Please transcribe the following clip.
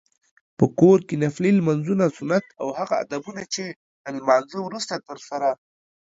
په کور کې نفلي لمونځونه، سنت او هغه ادبونه چې له لمانځته وروسته ترسره